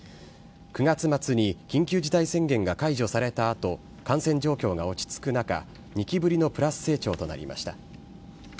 ９月末に緊急事態宣言が解除されたあと、感染状況が落ち着く中、２期ぶりのプラス成長となりました。